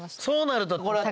そうなると。